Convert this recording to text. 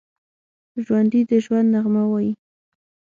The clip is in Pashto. ژوندي د ژوند نغمه وايي